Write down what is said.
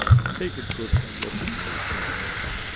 "Take a good look at me, Johnny."